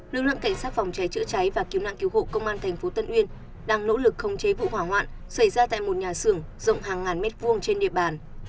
lực lượng cảnh sát phòng trái chữa trái và kiếm nạn cứu hộ công an thành phố tân uyên đang nỗ lực khống chế vụ hỏa hoạn xảy ra tại một nhà xưởng rộng hàng ngàn mét vuông trên địa bàn